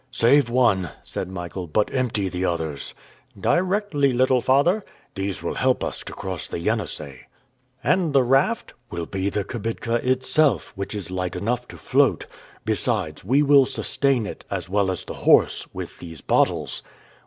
"Save one," said Michael, "but empty the others." "Directly, little father." "These will help us to cross the Yenisei." "And the raft?" "Will be the kibitka itself, which is light enough to float. Besides, we will sustain it, as well as the horse, with these bottles."